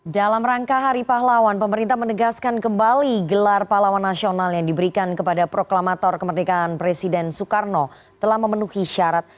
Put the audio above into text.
dalam rangka hari pahlawan pemerintah menegaskan kembali gelar pahlawan nasional yang diberikan kepada proklamator kemerdekaan presiden soekarno telah memenuhi syarat